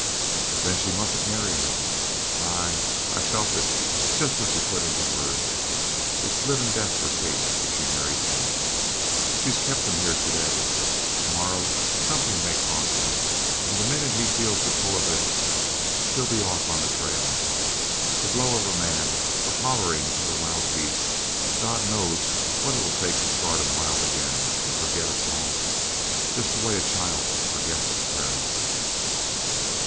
"Then she mustn't marry him? Ay, I've felt it jest what you've put in words. It's livin' death for Kate if she marries him! She's kept him here to day. To morrow something may cross him, and the minute he feels the pull of it, he'll be off on the trail the blow of a man, the hollering out of the wild geese God knows what it'll take to start him wild again and forget us all jest the way a child forgets its parents!"